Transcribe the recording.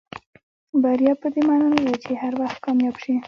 بریا پدې معنا نه ده چې هر وخت کامیاب شئ.